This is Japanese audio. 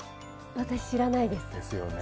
私知らないです。ですよね。